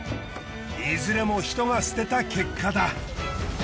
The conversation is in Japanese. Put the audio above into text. いずれも人が捨てた結果だ。